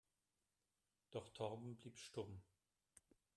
Doch Torben blieb stumm.